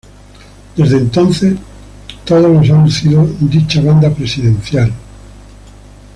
Desde entonces todos los han lucido dicha "banda presidencial".